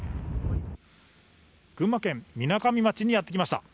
群馬県みなかみ町にやって来ました。